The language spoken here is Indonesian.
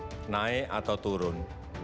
nah naik atau turun